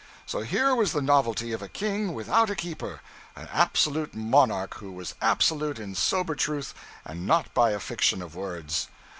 So here was the novelty of a king without a keeper, an absolute monarch who was absolute in sober truth and not by a fiction of words.